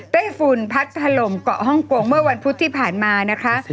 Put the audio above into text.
ฝุ่นพัดถล่มเกาะฮ่องกงเมื่อวันพุธที่ผ่านมานะคะ